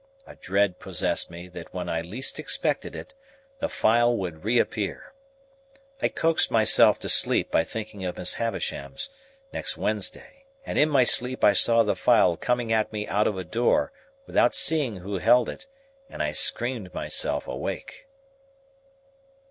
A dread possessed me that when I least expected it, the file would reappear. I coaxed myself to sleep by thinking of Miss Havisham's, next Wednesday; and in my sleep I saw the file coming at me out of a door, without seeing who held it, and I screamed myself awake.